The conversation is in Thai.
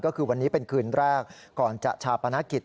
ก็คือวันนี้เป็นคืนแรกก่อนจะชาปนกิจ